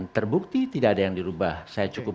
terbukti tidak ada yang dirubah saya cukup